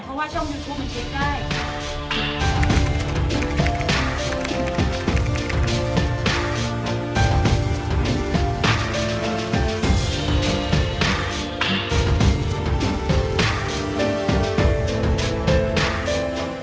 เพราะว่าช่องยูทูปมันเช็คได้